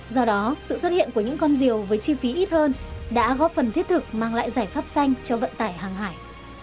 do đó sự xuất hiện của những con rìu với chi phí ít hơn đã góp phần thiết thực mang lại giải pháp xanh cho vận tải hàng hải